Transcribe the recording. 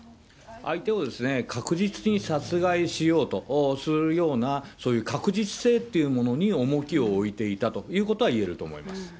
相手を確実に殺害しようとするような、そういう確実性というものに重きを置いていたということはいえると思います。